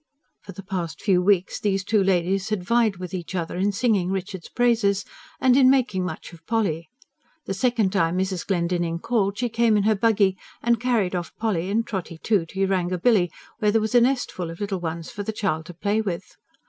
For the past few weeks these two ladies had vied with each other in singing Richard's praises, and in making much of Polly: the second time Mrs. Glendinning called she came in her buggy, and carried off Polly, and Trotty, too, to Yarangobilly, where there was a nestful of little ones for the child to play with.